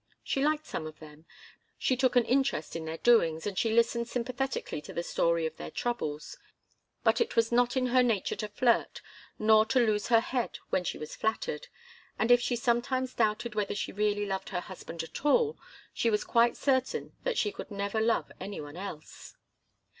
She liked some of them. She took an interest in their doings, and she listened sympathetically to the story of their troubles. But it was not in her nature to flirt, nor to lose her head when she was flattered, and if she sometimes doubted whether she really loved her husband at all, she was quite certain that she could never love any one else.